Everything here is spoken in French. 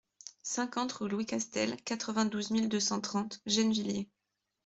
cinquante rue Louis Castel, quatre-vingt-douze mille deux cent trente Gennevilliers